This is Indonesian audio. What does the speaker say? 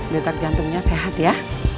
detak jantungnya sehat ya